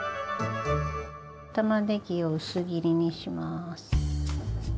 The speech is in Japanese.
玉ねぎを薄切りにします。